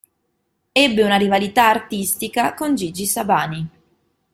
Ebbe una rivalità artistica con Gigi Sabani.